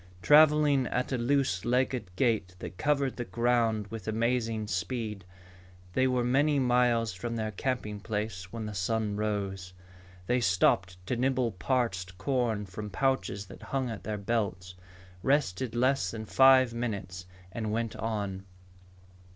Traveling at a loose legged gait that covered the ground with amazing speed, they were many miles from their camping place when the sun rose. They stopped to nibble parched corn from pouches that hung at their belts, rested less than five minutes, and went on.